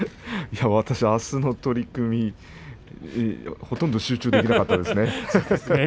私はあすの取組ほとんど集中できなかったですね。